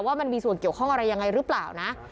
ว่ามันมีส่วนเกี่ยวข้องอะไรยังไงหรือเปล่านะ